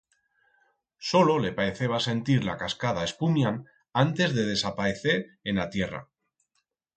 Solo le paeceba sentir la cascada espumiand antes de desapaecer en la tierra.